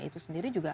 itu sendiri juga